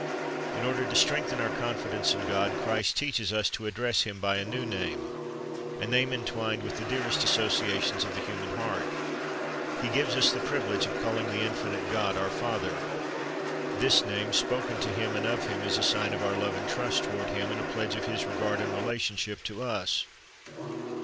In order to strengthen our confidence in God, Christ teaches us to address Him by a new name, a name entwined 142 C Ii ri s t's Object Lessons with the dearest associations of the human heart. He gives us the privilege of calling the infinite God our Father. This name, spoken to Him and of Him, is a sign of our love and trust toward Him, and a pledge of His regard and relationship to us.